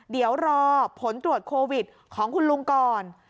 เดี๋ยวรอผลตรวจโควิดของคุณลุงก่อน